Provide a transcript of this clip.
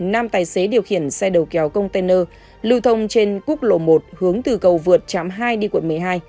nam tài xế điều khiển xe đầu kéo container lưu thông trên quốc lộ một hướng từ cầu vượt trạm hai đi quận một mươi hai